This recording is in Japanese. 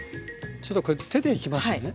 ちょっとこれ手でいきますね。